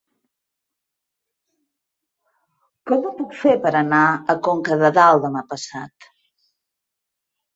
Com ho puc fer per anar a Conca de Dalt demà passat?